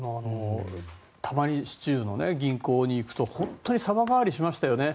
たまに市中の銀行に行くと本当に様変わりしましたよね。